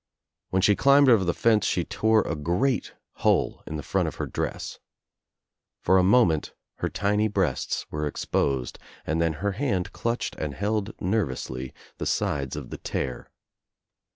When she climbed over the fence she tore a great hole in the front of her dress. For a moment her tiny breasts were exposed and then her hand clutched and held nervously the sides of the tear.